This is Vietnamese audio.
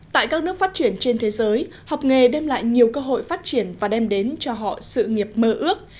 tại các nước phát triển trên thế giới học nghề đem lại nhiều cơ hội phát triển và đem đến cho họ sự nghiệp mơ ước